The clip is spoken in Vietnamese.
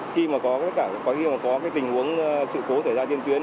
khi mà có tình huống sự cố xảy ra trên tuyến